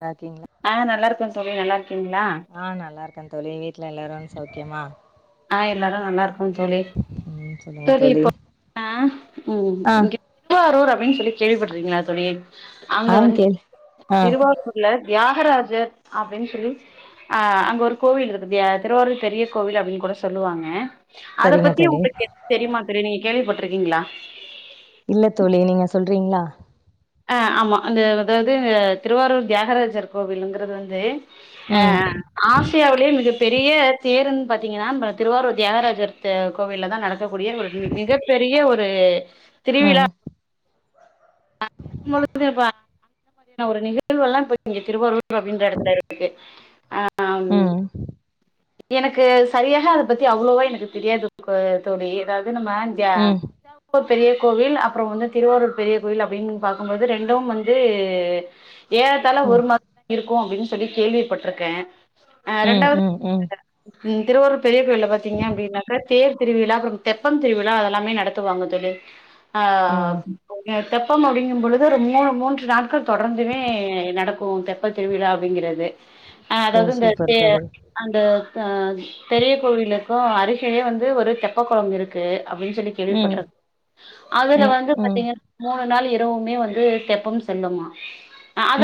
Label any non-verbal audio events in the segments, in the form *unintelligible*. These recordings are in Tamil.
பாத்திங்ளா அ நல்லா இருக்கோ தோழி நல்லா இருக்கீங்ளா ஆ நல்லார்க்க தோழி வீட்ல எல்லாரு சௌக்யமா அ எல்லாரு நல்லா இருக்கோ தோழி *inaudible* சரி இப்போ அ ம் ஆ இங்க திருவாரூர் அப்டின் சொல்லி கேள்விப்பட்றுகீங்ளா தோழி அங்க ஆ வந்து கேள் ஆ திருவாரூர் ல தியாகராஜர் அப்டின் சொல்லி அ அங்க ஒரு கோவில் இருக்குது திருவாரூர் பெரிய கோவில் அப்டின் கூட சொல்லுவாங்க அத சரிங்க பத்தி தோழி உங்ளுக்கு எதா தெரியுமா தோழி நீங்க கேள்விப்பட்ருக்கீங்ளா இல்ல தோழி நீங்க சொல்றிங்ளா அ ஆமா இந்த அதாவ்து இந்த திருவாரூர் தியாகராஜர் கோவிலுங்றது வந்து அ ம் ஆசியாவிலே மிகப் பெரிய தேர்ன்னு பாத்திங்ன்னா திருவாரூர் தியாகராஜர் கோவில்ல தா நடக் க்க கூடிய ஒரு மிகப்பெரிய ஒரு திருவிழா ம் *unintelligible* ஒரு நிகழ்வெலா இங்க திருவாரூர் அப்டின்ற எடத்துல இருக்குது அ ம் எனக்கு சரியாக அத பத்தி அவ்வளோவா எனக்கு தெரியாது தோழி அதாவ்து நம்ம இங்க ம் போ பெரிய கோவில் அப்றோ வந்து திருவாரூர் பெரிய கோவில் அப் ப்டின் பாக்கும்போது ரெண்டு வந்து ஏறத்தால ஒரு ம் மாதிரி இருக்கு அப்டின் சொல்லி கேள்விப்பட்ருக்கே ம் ம் ம் ம் திருவாரூர் பெரிய கோயில்ல பாத்திங்க அப்டின்னாக்கா தேர் திருவிழா அப்றோ தெப்பம் திருவிழா அதெல்லாமே நடத்துவாங்க தோழி அ ம் எ தெப்பம் அப்படிங்கும் பொழுது ஒரு மூணு மூன்று நாட்கள் தொடர்ந்துமே நடக்கு தெப்ப திருவிழா அப்டிங்கிறது அ ஓ அதாவ்து இந்த தெ சூப்பர் தோழி அந்த அ பெரிய கோவிலுக்கு அருகிலே வந்து ஒரு தெப்ப கொளோ இருக்கு அப்டின் சொல்லி ம் கேள்விப்பட்ருக் அதுல ம் வந்து ம் பாத்திங்க மூணு நாள் இரவுமே வந்து தெப்பம் செல்லுமா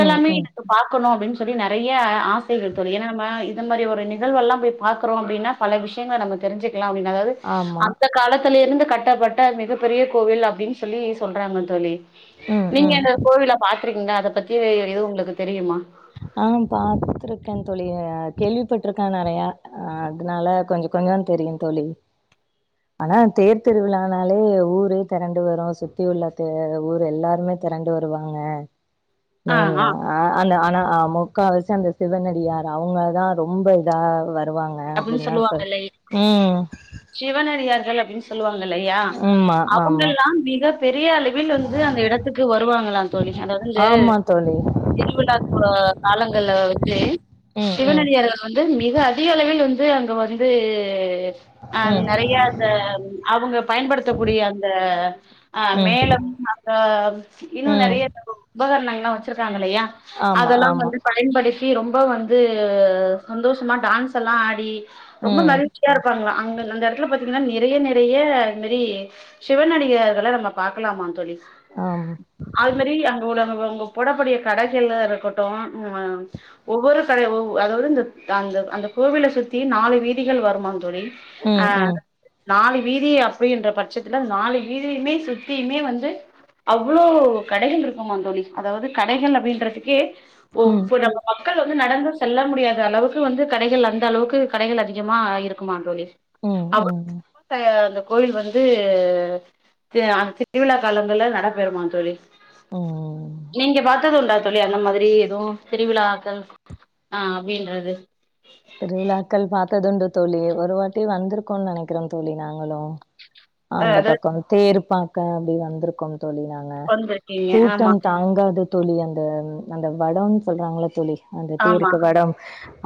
ம் ம் பாக்கணு அப்டின் சொல்லி நறைய ஆசைகள் தோழி ஏன்னா நம்ம இந்த மாரி ஒரு நிகழ்வெல்லா போய் பாக்குறோ அப்டின்னா பல விஷயங்கள நம்ம தெரிஞ்சிக்லா அப்டின் அதாது ஆமா அந்த காலத்துல இருந்து கய்டப்பட்ட மிகப்பெரிய கோவில் அப்டின் சொல்லி சொல்றாங்க தோழி ம் நீங்க ம் இந்த கோவில பாத்துருகீங்ளா அத பத்தி எது உங்ளுக்கு தெரியுமா ஆ பாத்திருக்கே தோழி கேள்விப்பட்ருக்கே நறையா அதனால கொஞ்சோ கொஞ்சோ தெரியு தோழி ஆனா தேர் திருவிழானாலே ஊரே தெரண்டு வரு சுத்தி உள்ள தே ஊர் எல்லாருமே திரண்டு வருவாங்க மெய்ன் ஆ அந்த ஆனா அ முக்கா வாசி அந்த சிவனடியார் அவங்க தா ரொம்ப இதா வ ருவாங்க அப்டின்னு அப்டின்ல்லா சொ சொல்லுவாங்க இல்லையா ம் சிவனடியார்கள் அப்டின் சொல்லுவாங்க இல்லையா ஆமா ஆமா அவங்கல்லா மிக பெரிய அளவிலிந்து அந்த இடத்துக்கு வருவாங்களா தோழி அங்கருந்து ஆமா தோழி திருவிழாக் கோ காலங்கள்ல வந்து ம் ம் சிவனடியார்கள் வந்து மிக அதிக அளவில் வந்து அங்க வந்து அ ம் நெறைய அந்த அவங்க பயன்படுத்தக்கூடிய அந்த அ ம் மேளம் அந்த இன்னு ம் நெறைய *unintelligible* உபகரணங்கள்ல்லா வச்சிருக்காங்க இல்லையா ஆமா அதெல்லா ஆமா வந்து ப யன்படுத்தி ரொம்ப வந்து சந்தோஷமா டான்ஸ் எல்லா ஆடி ரொம்ப ம் மகிழ் ச்சியா இருப்பாங்ளா அங்க அந்த எடத்துல பாத்தீங்ன்னா நிறைய நிறைய இந்த மேரி ஷிவனடியார்கள நம்ம பாக்கலாமா தோழி அம் அது மாரி அங்க உள்ள *unintelligible* போட கூடிய கடைகள்ல இருக்கட்டோ ம் ஒவ்வொரு கடை ஒவ்வொ அதாவது இந்த அந்த அந்த கோவில சுத் தி நாலு வீதிகள் வருமா தோழி ஆ ம் ம் நாலு வீதி அப்டின்ற பட்சத்துல நாலு வீதியுமே சுத்தியுமே வந்து அவ்ளோ கடைகள் இருக்கும்மா தோழி அதாவது கடைகள் அப்டின்றதுக்கே ஒ ம் இப்போ நம்ம மக்கள் வந்து நடந்து செல்ல முடியாத அளவுக்கு வந்து கடைகள் அந்த அளவுக்கு கடைகள் அதிகமா இருக்குமாந் தோழி ம் ம் *unintelligible* கோவில் வந்து அந்த திருவிழா காலங்கள்ல நடப்பெறுமாந் தோழி ம் நீங்க பாத்தது உண்டா தோழி அந்த மாதிரி எது திருவிழாக்கள் அ அப்டின்றது திருவிழாக்கள் பாத்ததுண்டு தோழி ஒரு வாட்டி வந்திருக்கோன்னு நெனைக்கிற தோழி நாங்களு அ அந்த அதாவது பக்கம் தேர் பாக்க அப்டி வந்திருக்கோம் தோழி நாங்க வந்திருக்கீங்க ஆமா கூட்டம் தாங்காது தோழி அந்த அந்த வடம்ன்னு சொல்றாங்கள தோழி அந்த ஆமா தேருக்கு வடம்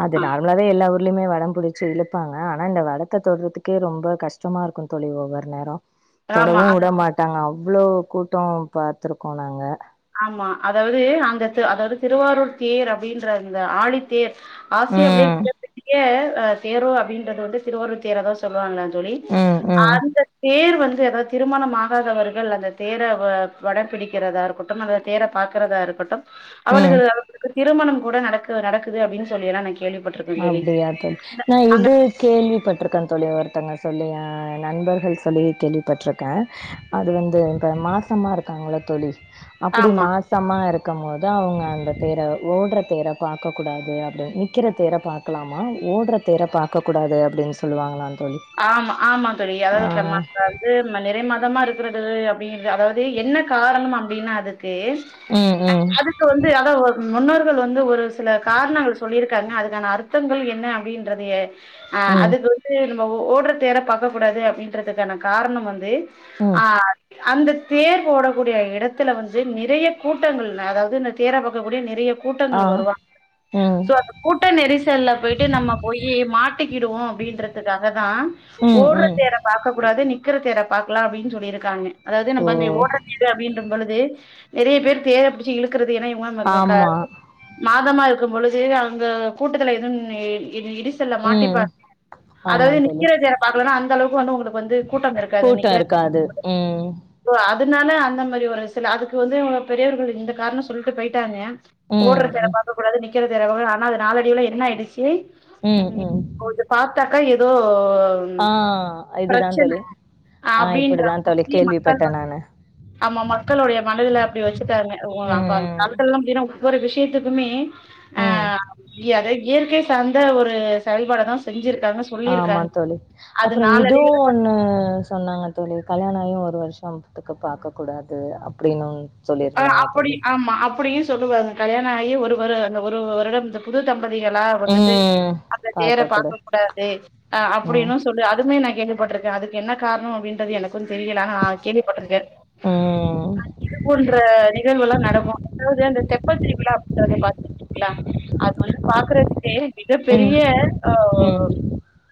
அத ஆ ல்லாவே எல்லா ஊர்லயுமே வடம் புடிச்சு இழுப்பாங்க ஆனா இந்த வடத்த தொடறதுக்கே ரொம்ப கஷ்டமா இருக்கு தோழி ஒவ்வொரு நேரோ ஆமா தொடவு அத உட மாட்டாங்க அவ்ளோ கூட்டோ பாத்ருக்கோ நாங்க ஆமா அதாவது அந்த அதாவது திருவாரூர் தேர் அப்டின்ற அந்த ஆழித்தேர் ஆசியாவிலே ம். மிகப்பெரிய அ தேரோ அப்டின்றது வந்து திருவாரூர் தேர தா சொல்லுவாங்ளா தோழி ம், ம், அந்த தேர் வந்து எதா திருமணம் ஆகாதவர்கள் அந்த தேர வ வடம் பிடிக்கறதா இருக் டும் அந்த தேர பாக்கறதா இருக்கட்டும் ம். அவளுகள் க்கு திருமணம் கூட நடக் நடக்குது அப்டின்னு சொல்லி எல்லா நா கேள்விப்ப அப்டியா தோழி நா இது கேள்விப்பட்டிருக்க தோழி ஒருத்தங்க சொல்லி ஆ நண்பர்கள் சொல்லி கேள்விப்பட்ருக்க அது வந்து இப்ப மாசமா இருக்காங்கள தோழி அப்டி ஆமா மா சமா இருக்கம் போது அவங்க அந்த தேர ஓடுற தேர பாக்க கூடாது அப்டின்னு நிக்கிற தேர பாக்கலாமா ஓடுற தேர பாக்கக்கூடாது அப்டின்னு சொல்லுவாங்களா தோழி ஆமா ஆமா தோழி ஆ அதாவது *unintelligible* து நிறை மாதமா இருக்கிறது அப்டின்ற அதாவது என்ன காரணம் அப்டின்னா அதுக்கு ம் ம் அதுக்கு வந்து அத முன்னோர்கள் வந்து ஒரு சில காரணங்கள் சொல்லிருக் கங்க அதுக்கான அர்த்தங்கள் என்ன அப்டின்றதயே அ ம் அதுக்கு வந்து ஓட்ற தேர பாக்க கூடாது அப்டின்றதுக்கான காரணோ வந்து ம் அ அந்த தேர் ஓடக்கூடிய எடத்துல வந்து நிறைய கூட்டங்கள் அதாவது அந்த தேர பாக்கக்கூடிய நிறைய ஆ கூட்டங்கள் வருவா ம் சோ அந்த கூட்ட நெரிசல்ல போய்ட்டு நம்ம போய் மாட்டிக்கிடுவோ அப்டின்ற ததா ம் ஓட்ற ம் தேர பாக்க கூடாது நிக்கிற தேர பாக்கலா அப்டின்னு சொல்லியிருக்காங்க அதாவது ஓ நம்ப அந்தே ஓட்ற தேரு அப்டின்ற பொழுது நெறைய பேர் தேரப் பிடிச்சு இழுக்கறது ஏன்னா இவங்கக ஆமா கார் மாசமா இருக்கும் பொழுது அங்க கூட்டத்துல எதும் இடிசல்ல ம் மாட்டிப்பார் ஆமா அதாவது தோழி நிக்கிற தேர பாக்கலனா அந்த அளவுக்கு வந்து உங்களுக்கு வந்து கூட்டம் இருக்காது கூட்டோ நிக்கிற தேர இருக்காது ம் *inaudible* ஒ அதுனால அந்த மாரி ஒரு சில அதுக்கு வந்துஇவங்க பெரியவர்கள் இந்த காரணோ சொல்லிட்டு போயிட்டாங்க ம், ஓட்ற தேர ம். பாக்க கூடாது நிக்கிற திரவ ஆனா அது நாளடைவுல என்ன ஆயிடுச்சு ம் கொஞ்ச பாத்தாக்க எதோ ஆ இதுதான் பிரச்சன தோழி. ஆ அப்டின்ற இப்படிதான் தோழி மாரி மக்கள் கேள்விப்பட்டேன் வந் நானு. ஆமா மக்களுடைய மனதில அப்டி வச்சுட்டாங்க அப்ப அந்த ம், காலத்திலலா அப்டிதா ஒவ்வொரு விஷயத்துக்குமே ஆ ம். அத இயற்கை சார்ந்த ஒரு செயல்பாட தா செஞ்சிருக்காங்க ஆமா சொல்லியிருக்காங்க தோழி அது அப்புறோ இதுவு நாளடைவுல ஒண்ணு சொன்னாங்க தோழி கல்யாண ஆயூ ஒரு வருஷம்த்துக்கு பாக்ககூடாது அப்டின்னு ஆ அப்டி ஆமா அப்டியு சொல்லுவாங்க கல்யாண ஆயி ஒரு வரு அந்த ஒரு வருடம் புது தம்பதிகளா வந்துட்டு ம். அந்த தேர பார்க்கக்கூடா பாக்க கூடாது ம். அப்டின்னு சொல்லு அதுமே நா கேள்விப்பட்ருக்கே அதுக்கு என்ன கார்ணோ அப்டின்றது எனக்கு தெரியல நா கேள்விப்பட்ருக்கே ம் இது போன்ற நிகழ்வு எல்லா நடக்கு அதாவது அந்த தெப்பல் திருவிழா அப்பின்றத பாத்துருகிங்களா அது வந்து பாக்குறதுக்கே மிக ம். பெரிய ம். அஹ்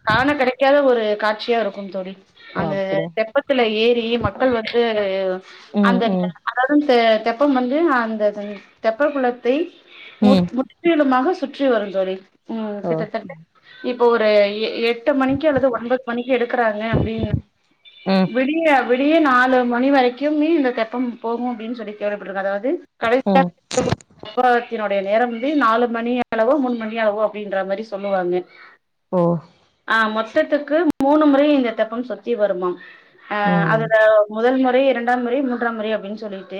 காண கிடைக்காத ஒரு காட்சியா இருக்கும் தோழி ஓ! அந்த அப்படி. தெப்பத்துல ஏறி மக்கள் வந்து ம், அந்த ம். அதாவது தெப்பம் வந்து அந்த தெப்ப குளத்தை முர் ம். மு முற்றிலுமாக சுற்றி வரு தோழி ம் ஓ! கிட்டதட்ட இப்போ ஒரு எட்டு மணிக்கு அல்லது ஒன்பது மணிக்கு எடுக்கறாங்க அப்டின்னு ம். விடிய வெளிய நாலு மணி வரைக்கும்மே இந்த தெப்பம் போகு அப்டின்னு சொல்லி கேள்விப்பட்ருக்க அதாவது கடைசி *inaudible* ம். *inaudible* பாகத்தினுடைய நேரம் வந்து நாலு மணி அளவோ மூணு மணி அளவோ அப்டின்ற மாரி சொல்லுவாங்க ஓ ஆ மொத்தத்துக்கு மூணு முறை இந்த தெப்பம் சுத்தி வருமா அ ம். அதுல முதல் முறை இரண்டாம் முறை மூன்றாம் முறை அப்டின்னு சொல்லிட்டு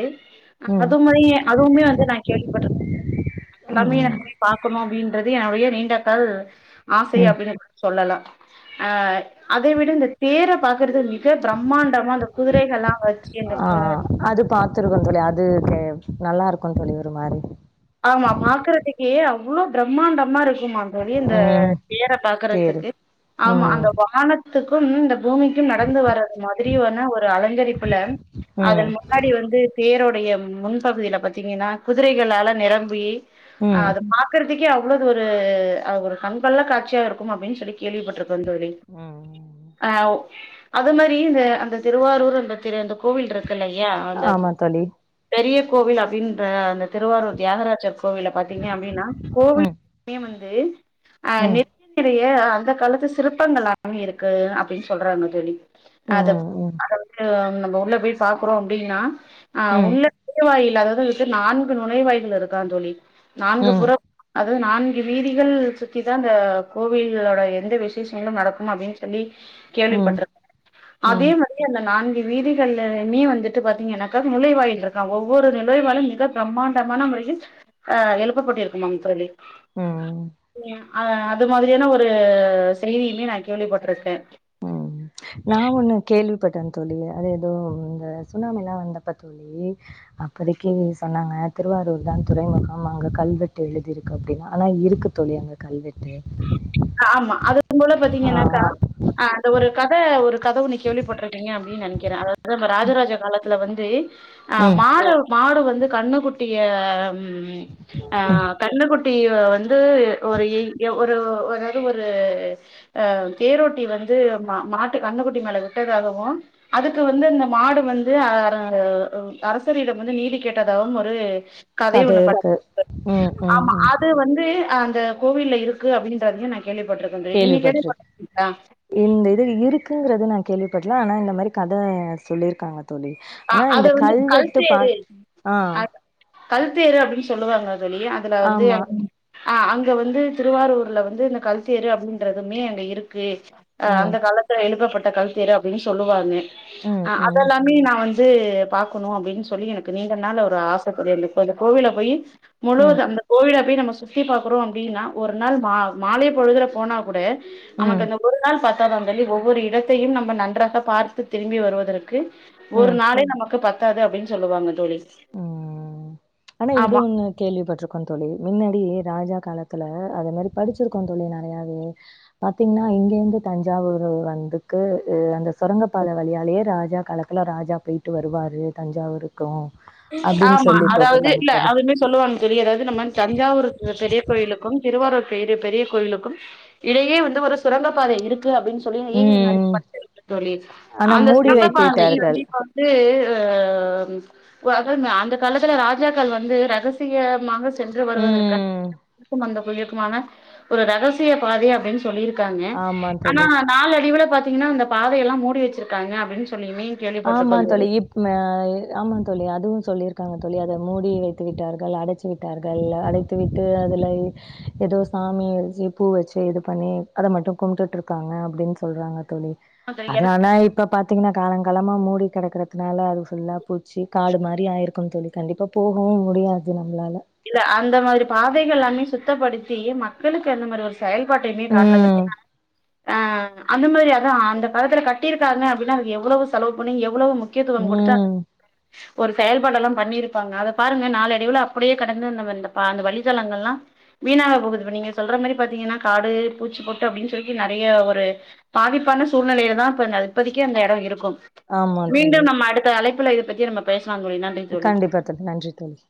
ம். அதுமாரியே அதுவுமே வந்து நா கேள் பட்ருக் எல்லாமே நா ம். போயி பாக்கணு அப்டின்றது என்னுடைய நீண்ட கள் ஆசை ம். அப்டின்னு சொல்லலா அ அதை விட இந்த தேர பாக்குறது மிக பிரம்மாண்டமா இந்த குதிரைகள்லா வச்சு ஆ அந்த அ அது பாத்துருக்க தோழி அது நல்லா இருக்கு தோழி ஒரு மாரி ஆமா பாக்குறதுக்கே அவ்ளோ பிரம்மாண்டமா இருக்குமா தோழி இந்த ம் தேரை தேரு பாக்குறதுக்கு ஆமா ம் அந்த வானத்துக்கும் இந்த பூமி நடந்து வரது மாதிரியுமான ஒரு அலங்கரிப்புல ம் அதன் முன்னாடி வந்து தேரோடைய முன்பகுதியில பாத்தீங்கன்னா குதிரைகளால நிரம்பி ம் அத பாக் பாக்கறதுக்கே அவ்ளோது ஒரு ஒரு கண்கொள்ளா காட்சியா இருக்கும் அப்டின்னு சொல்லி கேள்விப்பட்டிருக்கோ தோழி ம் ம் ஆ அது மாரி இந்த அந்த திருவாரூர் அந்த திரு அந்த கோவில் இருக் இருக்கு இல்லையா அந்த ஆமா தோழி பெரிய கோவில் அப்டின்ற அந்த திருவாரூர் தியாகராஜர் கோவில பாத்தீங்க அப்டின்னா கோவில் ம் குள்ளயு வந்து ம் மிக பெரிய அந்த காலத்து சிற்பங்கள்லா நெறைய இருக்கு அப்டின் சொல்றாங்க தோழி ம் அத ம் அத வந்து நம்ம உள்ள போயி பாக்குறோ அப்டின்னா ஆ ம் உள்ள நுழைவாயில் அதற்கு நான்கு நுழைவாய்கள் இருக்குகாம் தோழி நான்கு ம் புறம் அதாது நான்கு வீதிகள் சுத்திதா அந்த கோவில் உடய எந்த விசேஷங்களு நடக்கும் அப்டின்னு சொல்லி ம் கேள்விபட்டிருக்கே அதே ம் மாரி தோழி அந்த நான்கு வீதிகள்லையுமே வந்துட்டு பாத்தீங்கன்னாக்கா நுழைவாயில் இருக்கா ஒவ்வொரு நுழைவாயிளு மிக பிரம்மாண்டம் மான முறையில் ஆ எழுப்பபட்டிருக்குமாம் தோழி ம் அ அது மாதிரியான ஒரு செய்தியுமே நான் கேள்விப்பட்டிருக்கே ம் நா ஒன்னு கேள்விப்பட்டே தோழி அதூ ஏதோ இந்த சுனாமில்லா வந்தப்ப தோ தோழி அப்போதைக்கு சொன்னாங்க திருவாரூர் தான் துறைமுகம் அங்க கல்வெட்டு எழுதிருக்கு அப்டின்னா ஆனா இருக்கு தோழி அங்க கல்வெட்டு ஆமா அது போல ஆ பாத்தீங்கன்னாக்கா ஆ அந்த ஒரு கத ஒரு கத ஒன்னு கேள்விப்பட்டிருப்பிங்க அப்டி நெனைக்கிறே அதாது வந்து ராஜராஜ காலத்துல வந்து ம் மால மாடு வந்து கண்ணுக்குட்டிய ம் அ கண்ணுக்குட்டிய வந்து ஒரு ஏய் ஏ ஒரு ஒரு அதாது ஒரு அ தேரோட்டி வந்து மா மாட்டு கன்னுக்குட்டி மேல விட்டதாகவு அதுக்கு வந்து இந்த மாடு வந்து அர அ அரசரிடம் வந்து நீதி கேட்டதாவு ஒரு கதை கத ஒன்னு படிப்போ இருக்கு ம் ம் ஆமா ம் அது வந்து அந்த கோவில்ல இருக்கு அப்டின்றதையு நா கேள்விப்பட்டிருக்கே தோழி கேள்வி நீங்க பட்டிருக் கேள்விப்பட்டிருக்கீங்களா இந்த இது இருக்குங்கறது நா கேள்விப்பட்டல ஆனா இந்த மாரி கத சொல்லி இருக்காங்க தோழி அ ஆனா அது இந்த வந்து கல்வெட்டு கல்தே பா ஆ கல்தேரு அப்டின்னு சொல்லுவாங்க தோழி அதுல வந்து ஆமா அது அ அங்க வந்து திருவாரூர்ல வந்து இந்த கல்தேரு அப்டிங்கறதுமே அங்க இருக்கு அ ம் அந்த காலத்துல எழுப்பப்பட்ட கல்த்தேர் அப்டின்னு சொல்லுவாங்க ம் அஹ் ம் அதெல்லாமே நா வந்து வந்து பாக்கணு அப்டின்னு சொல்லி எனக்கு நீண்டனால ஒரு ஆச தோழி இப்ப இந்த கோவில போயி முழுவது ம் அந்த கோவில போயி நம்ம சுத்தி பாக்குறோ அப்டின்னா ஒரு நாள் மாலை பொழுதுல போனா கூட நமக்கு ம் அந்த ஒரு நாள் பாத்த தா தோழி ஒவ்வொரு இடத்தையும் நம்ம நன்றாக பார்த்து திரும்பி வருவதற்கு ஒரு ம் நாளே நமக்கு பத்தாது அப்டின்னு சொல்லுவாங்க தோழி. ம் ஆனா இது ஆமா ஒன்னு கேள்விப்பட்டிருக்கோ தோழி மின்னாடி ராஜா காலத்துல அத மாரி படிச்சிருக்கோ தோழி நறையாவே பாத்தீங்னா இங்க இருந்து தஞ்சாவூரு வந்துக்கு அந்த சுரங்கப்பாத வழியாலே ராஜா காலத்துல ராஜா போயிட்டு வருவாரு தஞ்சாவூர் வரைக்கு அப்டின் ஆமா சொல்லி அதாவது போட்டிருக்காங்க இல்ல தோழி அவர் மி சொல்லுவான் தோழி எதாவது நம்ம தஞ்சாவூர் பெரிய கோயிலுக்கும் திருவாரூர் பெரி பெரிய கோயிலுக்கும் இடையே வந்து ஒரு சுரங்க பாதை இருக்கு அப்படின் சொல் சொல்லி ம் அந்த *unintelligible* தோழி ஆனா அந்த மூடி சுங்க வைத்து பாதை வந்து விட்டார்கள் இப்ப வந்து ம் அந்த காலத்துல ராஜாக்கள் வந்து ரகசியமாக சென்று வருவதற்கா ம் அந்த குயுக்குமான ஒரு ரகசிய பாதை அப்படின் சொல் சொல்லியிருக்காங்க ஆமா ஆனா தோழி நாலு அடிவுல பாத்தீங்கன்னா அந்த பாதைய எல்லாம் மூடி வச்சிருக்காங்க அப்படின் சொல்லியுமே ஆமா தோழி இப் ம் அ ஆமா தோழி அதுவு சொல்லியிருக்காங்க தோழி அதை மூடி வைத்து விட்டார்கள் அடச் து விட்டார்கள் அடைத்து விட்டு அதுலய் ஏதோ சாமிய வச்சு பூ வச்சு இது பண்ணி அத மட்டு கும்ட்டுட்டு இருக்காங்க அப்டின் சொல்றாங்க தோழி எனக்கு அது ஆனா இப்ப பாத்தீங்னா காலங் காலமா மூடி கிடக்கறதுனால அது ஃபுல்லா பூச்சி காடு மாரி ஆயிருக்கு தோழி கண்டிப்பா போகவு முடியாது நம்ளால இல்ல அந்த மாரி பாதைகள் எல்லாமே சுத்தப்படுத்தி மக்களுக்கு அந்த மாரி ஒரு செயல்பாட்டையுமே ம். காட்டலான்தான அ அந்த மாரி அதா அந்தகாலத்துல கட்டிருக்காங்க அப்டினா அது எவ்வளவு செலவு பண்ணி எவ்வளவு முக் கியத்துவம் குடுத்தா ம். ஒரு செயல்பாடு எல்லாம் பண்ணிருப்பாங்க அத பாருங்க நாலடைவுல அப்டியே கடந்து வந்த நம்ம பா அந்த வழித்தளங்கள்லா வீணாக போகுது நீங்க சொல்ற மாரி பாத்தீங்னா காடு பூச்சி பொட்டு அப்படின் சொல்லிட்டு நெறய ஒரு பாதிப்பான சூழ்நிலையில தா இப்ப அந்த இப்போதிக்கு அந்த இடோ இருக்கு ஆமா தோழி. மீண்டும் நம்ம அடுத்த அழைப்புல இத பத்தி நம்ம பேசலா தோழி நன் கண்டிப்பா தோழி நன்றி தோழி